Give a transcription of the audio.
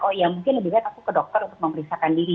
oh ya mungkin lebih lihat aku ke dokter untuk memeriksakan diri